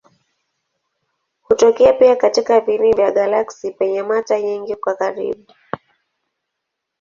Hutokea pia katika viini vya galaksi penye mata nyingi kwa karibu.